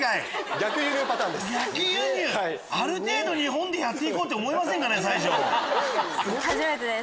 逆輸入⁉ある程度日本でやって行こうと思いませんかね？